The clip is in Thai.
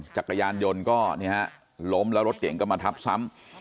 จักรยานยนต์ก็ล้มแล้วรถเก่งก็มาทับซ้ำ